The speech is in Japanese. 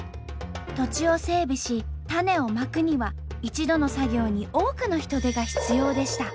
土地を整備し種をまくには一度の作業に多くの人手が必要でした。